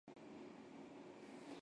南亚稷为禾本科黍属下的一个种。